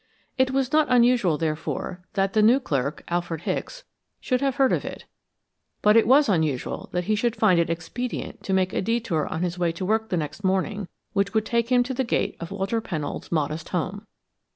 It was not unusual, therefore, that the new clerk, Alfred Hicks, should have heard of it, but it was unusual that he should find it expedient to make a detour on his way to work the next morning which would take him to the gate of Walter Pennold's modest home.